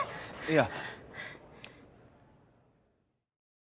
いや。